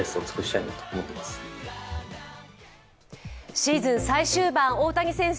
シーズン最終盤、大谷選手